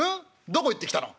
どこ行ってきたの？」。